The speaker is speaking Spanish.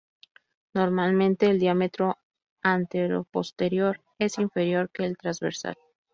Normalmente el diámetro anteroposterior es inferior que el transversal.